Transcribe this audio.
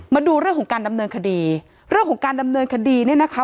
มาดูเรื่องของการดำเนินคดีเรื่องของการดำเนินคดีเนี่ยนะคะ